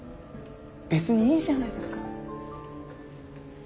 別にいいじゃないですか。